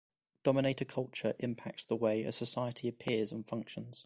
Dominator culture impacts the way a society appears and functions.